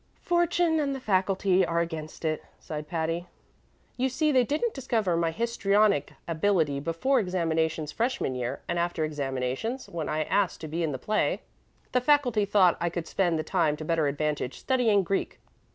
"Fortune and the faculty are against it," sighed Patty. "You see, they didn't discover my histrionic ability before examinations freshman year, and after examinations, when I was asked to be in the play, the faculty thought I could spend the time to better advantage studying Greek.